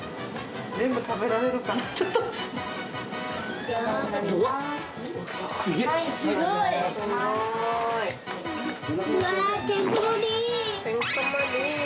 全部食べられるかな、すげぇ！